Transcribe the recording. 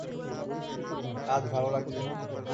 কাজ ভালো লাগছে না?